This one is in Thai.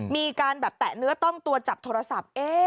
มีการแบบแตะเนื้อต้องตัวจับโทรศัพท์